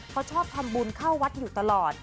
เขาชอบทำบุญเข้าวัดอยู่ตลอด